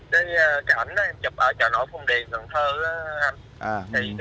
cái ảnh đó em chụp ở chợ nổi phùng điền cần thơ á anh